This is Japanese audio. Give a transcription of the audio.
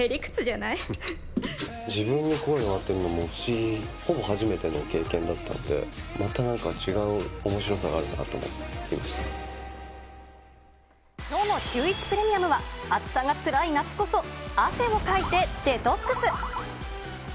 自分の声に当てるのは不思議、ほぼ初めての経験だったので、またなんか違うおもしろさがあるきょうのシューイチプレミアムは、暑さがつらい夏こそ汗をかいてデトックス。